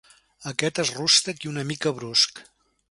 Aquest és rústec i una mica brusc.